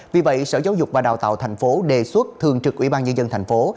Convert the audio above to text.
vì vậy sở giáo dục và đào tạo thành phố đề xuất thường trực ủy ban nhân dân thành phố